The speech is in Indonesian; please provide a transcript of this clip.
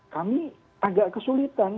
kami agak kesulitan